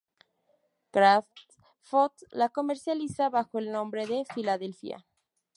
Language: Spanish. Kraft Foods lo comercializa bajo el nombre Philadelphia.